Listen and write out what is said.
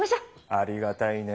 ありがたいね